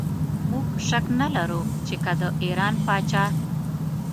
موږ شک نه لرو چې که د ایران پاچا.